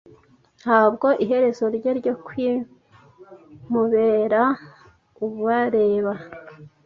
Ntabwo iherezo rye ryo kwiMuberauberaba.